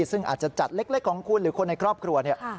ซึ่งอาจจะจัดเล็กของคุณหรือคนในครอบครัวเนี่ย